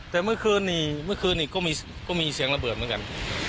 แต่เมื่อคืนนี้เมื่อคืนนี้ก็มีเสียงระเบิดเหมือนกัน